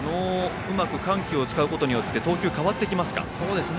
うまく緩急を使うことによって投球変わってきますか。